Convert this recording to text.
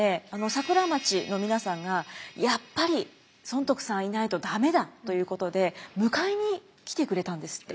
桜町の皆さんがやっぱり尊徳さんいないと駄目だということで迎えに来てくれたんですって。